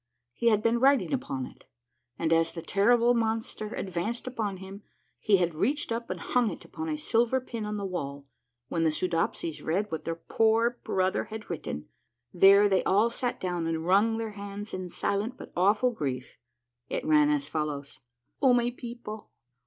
He had been writing upon it, and as the terrible monster advaneed upon him, he had reached up and hung it upon a silver pin on the wall. When the Soodopsies read what their poor brother had written, there they all sat down and wrung their hands in silent but awful grief : it ran as follows :—" O my people